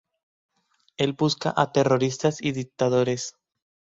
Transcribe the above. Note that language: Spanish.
Él busca a terroristas y dictadores.